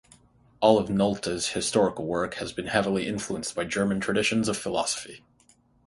All of Nolte's historical work has been heavily influenced by German traditions of philosophy.